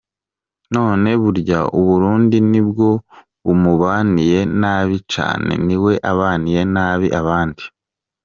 None burya Uburundi nibwo bumubaniye nabi canke niwe abaniye nabi abandi?